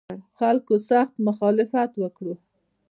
خلکو سخت مخالفت وکړ.